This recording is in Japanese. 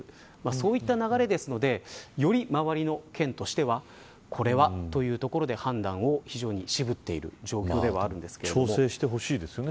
そういった流れですのでより、周りの県としてはこれはというところで調整してほしいですよね。